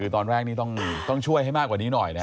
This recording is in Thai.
คือตอนแรกนี้ต้องช่วยให้มากกว่านี้หน่อยนะ